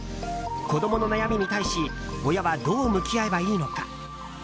子供の悩みに対し親はどう向き合えばいいのか？